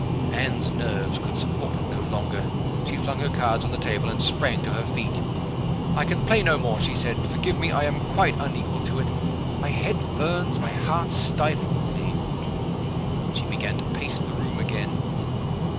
Anne's nerves could support it no longer. She flung her cards on the table, and sprang to her feet. "I can play no more," she said. "Forgive me I am quite unequal to it. My head burns! my heart stifles me!" She began to pace the room again.